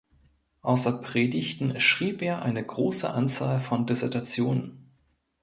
Außer Predigten schrieb er eine große Anzahl von Dissertationen.